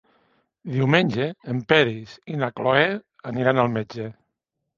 Diumenge en Peris i na Cloè aniran al metge.